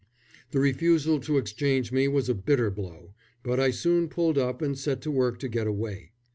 The refusal to exchange me was a bitter blow, but I soon pulled up and set to work to get away.